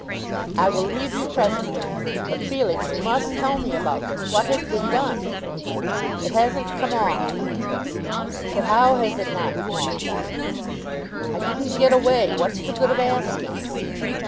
"I will leave you presently; but, Felix, you must tell me about this. What has been done?" "It hasn't come off." "But how has it not come off?" "I didn't get away. What's the good of asking?"